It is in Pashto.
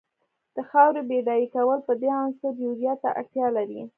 د خاورې بډای کول په دې عنصر یوریا ته اړتیا لري.